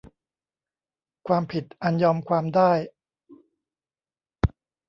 ความผิดอันยอมความได้